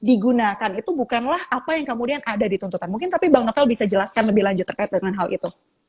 digunakan itu bukanlah apa yang kemudian ada di tuntutan mungkin tapi bang novel bisa jelaskan lebih lanjut terkait dengan hal itu